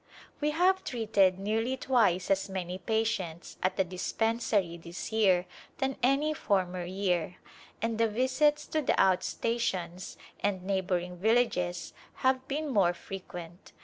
We have treated nearly twice as many patients at the dispensary this year than any former year, and the visits to the out stations and neighboring villages have been more frequent.